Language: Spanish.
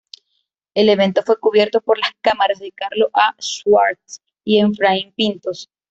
El evento fue cubierto por las cámaras de Carlos A. Schwartz y Efraín Pintos.